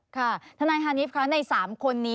ค่ะท่านายฮานีฟคะในสามคนนี้